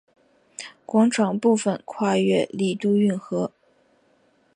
广场部分跨越丽都运河。